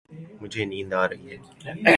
مجھے نیند آ رہی ہے